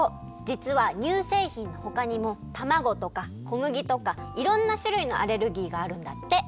じつは乳せいひんのほかにもたまごとかこむぎとかいろんなしゅるいのアレルギーがあるんだって。